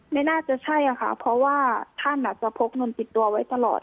ไม่น่าจะใช่ค่ะเพราะว่าท่านอาจจะพกเงินติดตัวไว้ตลอด